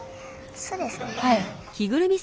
そうですね。